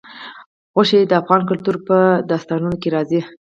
غوښې د افغان کلتور په داستانونو کې راځي.